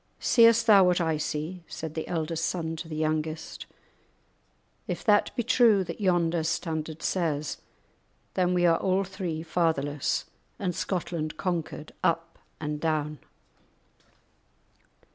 "See'st thou what I see?" said the eldest son to the youngest; "if that be true that yonder standard says, then are we all three fatherless, and Scotland conquered up and down.